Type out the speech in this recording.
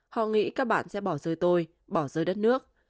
họ nghĩ các bạn sẽ bỏ rơi tôi bỏ rơi đất nước